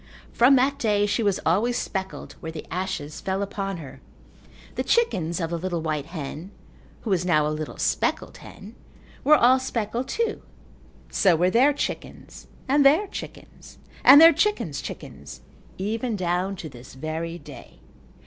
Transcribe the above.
From that day she was always speckled where the ashes fell upon her. The chickens of the little white hen (who was now a little speckled hen) were all speckled too. So were their chickens and their chickens and their chickens' chickens, even down to this very day.